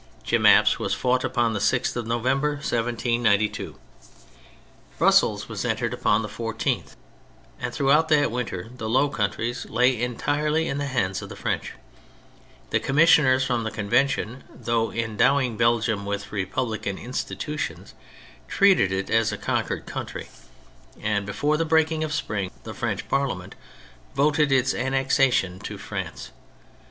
Jemappes was fought upon the 6th of November, 1792. Brussels was entered upon 168 THE FRENCH REVOLUTION the 14th, and throughout that winter the Low Countries lay entirely in the hands ol the French. The Commissioners from the Convention, though endowing Belgium with republican institutions, treated it as a con quered country, and before the breaking of spring, the French Parliament voted its annexation to France.